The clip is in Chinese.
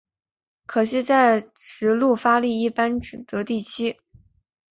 可惜在直路发力一般只得第七。